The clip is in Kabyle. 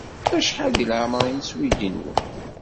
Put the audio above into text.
Acḥal deg leɛmeṛ-nnes uydi-nwen?